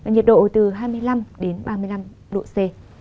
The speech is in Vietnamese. nhiệt độ từ hai mươi năm đến ba mươi năm độ c